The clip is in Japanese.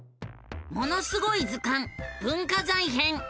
「ものすごい図鑑文化財編」！